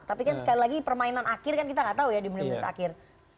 tapi kan sekali lagi permainan akhir kan kita nggak tahu ya di menit menit akhir